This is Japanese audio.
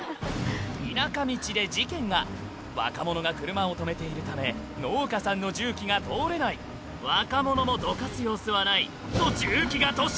田舎道で事件が若者が車を止めているため農家さんの重機が通れない若者もどかす様子はないと重機が突進！